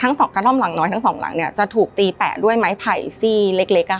สองกระท่อมหลังน้อยทั้งสองหลังเนี่ยจะถูกตีแปะด้วยไม้ไผ่ซี่เล็ก